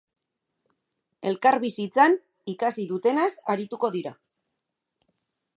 Elkarbizitzan ikasi dutenaz arituko dira.